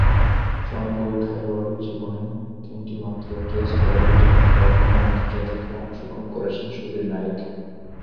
সমগ্র খেলোয়াড়ী জীবনে তিনটিমাত্র টেস্ট ও দুইটিমাত্র একদিনের আন্তর্জাতিকে অংশগ্রহণ করেছেন সুধীর নায়েক।